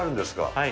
はい。